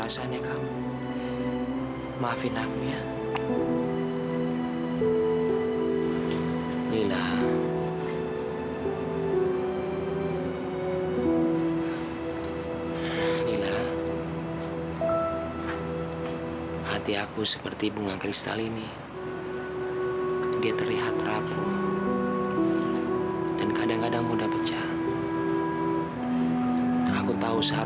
sampai jumpa di video selanjutnya